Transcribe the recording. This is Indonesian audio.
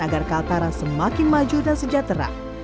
agar kaltara semakin maju dan sejahtera